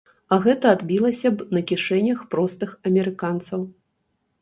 А гэта адбілася б на кішэнях простых амерыканцаў.